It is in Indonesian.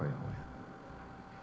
sudah menjadi kebiasaan